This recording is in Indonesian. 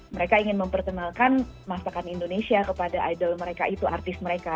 mereka ingin memperkenalkan masakan indonesia kepada idol mereka itu artis mereka